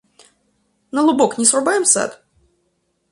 На лубок не срубаем сад?